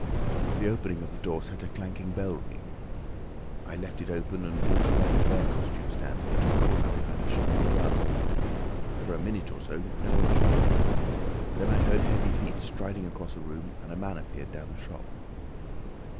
The opening of the door set a clanking bell ringing. I left it open, and walked round a bare costume stand, into a corner behind a cheval glass. For a minute or so no one came. Then I heard heavy feet striding across a room, and a man appeared down the shop.